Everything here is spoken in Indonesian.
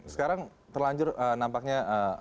sekarang terlanjur nampaknya